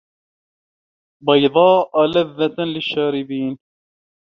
بَيضاءَ لَذَّةٍ لِلشّارِبينَ